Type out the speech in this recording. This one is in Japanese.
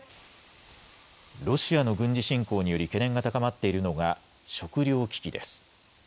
ロシアの軍事侵攻により懸念が高まっているのが食糧危機です。